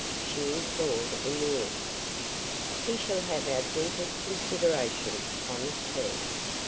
she implored in the end. "He shall have our deepest consideration," promised he.